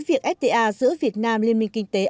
việc fta giữa việt nam liên minh kinh tế